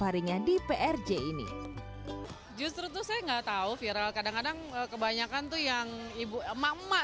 harinya di prj ini justru tuh saya nggak tahu viral kadang kadang kebanyakan tuh yang ibu emak emak